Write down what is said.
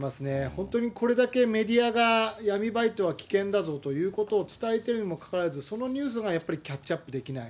本当にこれだけメディアが闇バイトは危険だぞということを伝えているにもかかわらず、そのニュースがやっぱりキャッチアップできない。